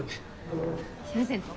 プレゼント？